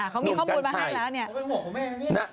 เขามีข้อมูลมาให้แล้วเนี่ย